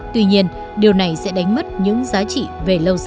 tuy nhiên điều này sẽ đánh mất những giá trị về lâu dài